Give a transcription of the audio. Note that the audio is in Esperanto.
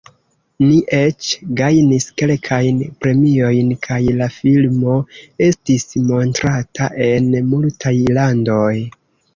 Ni eĉ gajnis kelkajn premiojn, kaj la filmo estis montrata en multaj landoj.